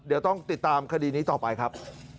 เดี๋ยวต้องติดตามคดีนี้ต่อไปครับ